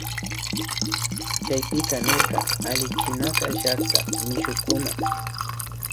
Chaypika nirka allichinakan llakta y mishukuna